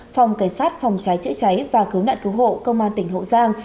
phòng cảnh sát phòng cháy chữa cháy và cứu nạn cứu hộ công an tỉnh hậu giang